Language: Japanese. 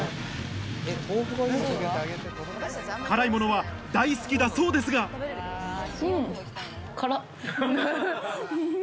辛いものは大好きだそうですがウフフフ！